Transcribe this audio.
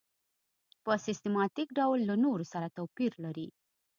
په سیستماتیک ډول له نورو سره توپیر لري.